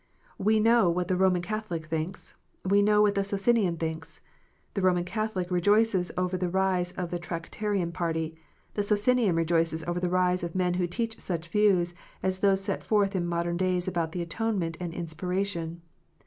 We know what the Roman Catholic thinks ; we know what the Socinian thinks. The Roman Catholic rejoices over the rise of the Tractarian party ; the Socinian rejoices over the rise of men who teach such views as those set forth in modern days about the atonement and inspiration.